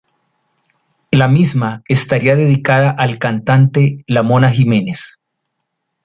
La misma estaría dedicada al cantante La Mona Jimenez.